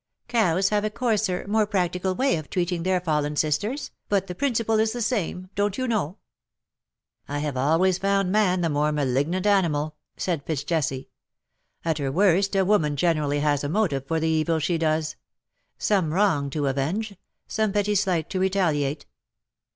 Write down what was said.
Cows have a coarser, more practical way of treating their fallen sisters, but the principle is the same, don^t you know/^ *^I have always found man the more malignant aniiial/'' said Fitz Jesse. ^^At her worst a woman geierally has a motive for the evil she does — some wrcng to avenge — some petty slight to retaliate.